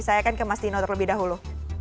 saya akan ke mas dino terlebih dahulu